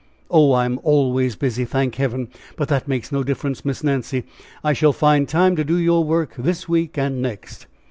"Oh, I'm always busy, thank Heaven! but that makes no difference, Miss Nancy; I shall find time to do your work this week and next."